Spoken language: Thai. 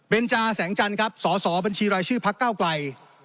เบญจาแสงจันทร์สอบัญชีลายชื่อพักเก้ากลัย